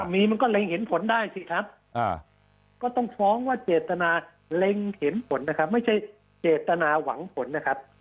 มีมันก็เล็งเห็นผลได้สิครับก็ต้องฟ้องว่าเจตนาเล็งเห็นผลนะครับไม่ใช่เจตนาหวังผลนะครับ